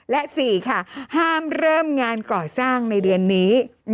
และ๔ค่ะห้ามเริ่มงานก่อสร้างในเดือนนี้